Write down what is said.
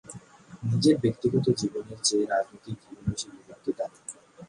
নিজের ব্যক্তিগত জীবনের চেয়ে রাজনৈতিক জীবন বেশি গুরুত্ব দেন।